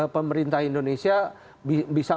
pemerintah indonesia bisa